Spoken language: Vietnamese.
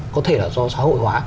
có thể là do xã hội hóa